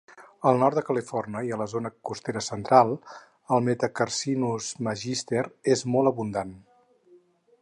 Al nord de Califòrnia i a la zona costera central, el "Metacarcinus magister" és molt abundant.